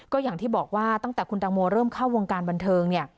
ก็อย่างที่บอกว่าตั้งแต่คุณตังโมเริ่มเข้าวงการบันเทิงเนี่ย